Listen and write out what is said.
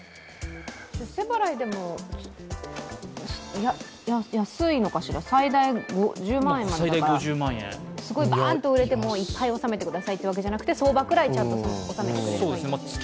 出世払いでも安いのかしら、最大５０万円までだから、バーンと売れても１回納めてくださいじゃなくて相場くらいちゃんと納めてくれればいいと。